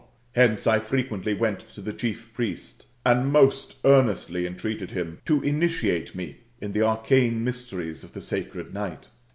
Hence I frequently went to the chief priest, and piost earnestly entreated him to initiate me in the arcane mysteries of the sacred night!